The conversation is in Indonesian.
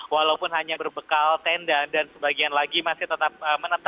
walaupun hanya berbekal tenda dan sebagian lagi masih tetap menetap di rumah mereka